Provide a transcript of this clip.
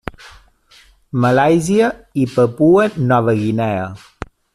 Malàisia i Papua Nova Guinea.